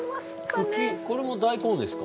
茎これも大根ですか？